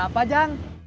apa yang peuple